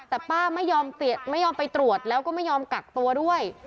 แต่ป้าไม่ยอมไปตรวจแล้วก็ไม่ยอมกักตัวด้วย